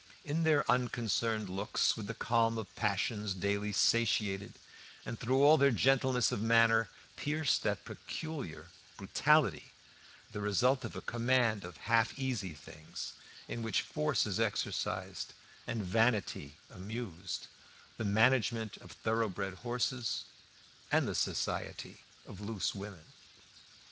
In their unconcerned looks was the calm of passions daily satiated, and through all their gentleness of manner pierced that peculiar brutality, the result of a command of half easy things, in which force is exercised and vanity amused the management of thoroughbred horses and the society of loose women.